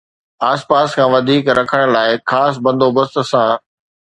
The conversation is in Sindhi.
آس پاس کان وڌيڪ رکڻ لاءِ خاص بندوبست سان